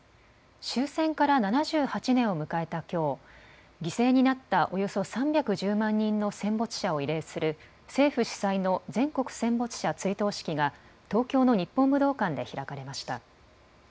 終戦から７８年を迎えたきょう犠牲になったおよそ３１０万人の戦没者を慰霊する政府主催の全国戦没者追悼式が東京の日本武道館で開かれました。